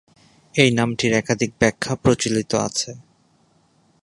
এই নামটির একাধিক ব্যাখ্যা প্রচলিত আছে।